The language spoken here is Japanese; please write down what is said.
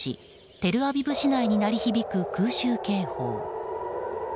テルアビブ市内に鳴り響く空襲警報。